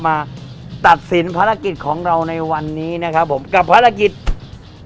มาตัดสินภารกิจของเราในวันนี้นะครับผมกับภารกิจ